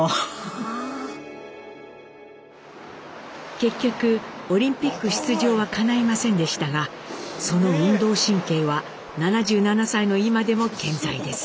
結局オリンピック出場はかないませんでしたがその運動神経は７７歳の今でも健在です。